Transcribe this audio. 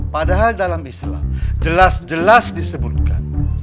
padahal dalam islam jelas jelas disebutkan